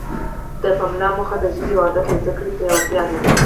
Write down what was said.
د پملا موخه د ژبې او ادب د زده کړې پیاوړتیا ده.